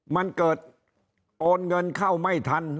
มันเกิดโอนเงินเข้าไม่ทัน